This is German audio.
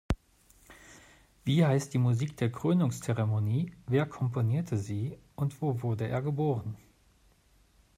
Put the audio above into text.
Wie heißt die Musik der Krönungzeremonie, wer komponierte sie und wo wurde er geboren?